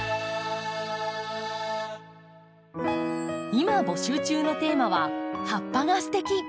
今募集中のテーマは「葉っぱがステキ！」。